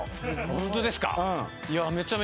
ホントですか？